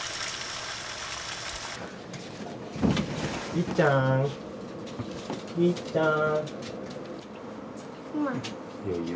いっちゃんいっちゃん。